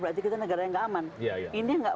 berarti kita negara yang nggak aman ini nggak